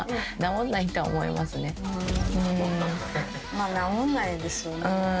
まあ直んないですよね。